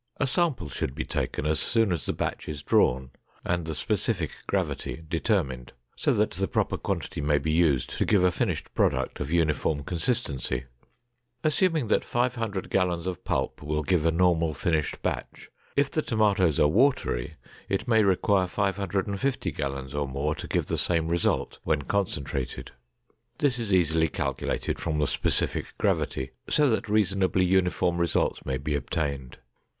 A sample should be taken as soon as the batch is drawn, and the specific gravity determined so that the proper quantity may be used to give a finished product of uniform consistency. Assuming that 500 gallons of pulp will give a normal finished batch, if the tomatoes are watery, it may require 550 gallons or more to give the same result when concentrated. This is easily calculated from the specific gravity so that reasonably uniform results may be obtained.